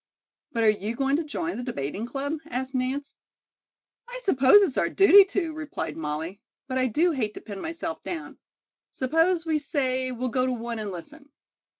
"But are you going to join the debating club?" asked Nance. "I suppose it's our duty to," replied Molly; "but I do hate to pin myself down. Suppose we say we'll go to one and listen?"